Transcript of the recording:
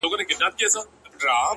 زه وايم راسه حوصله وكړو _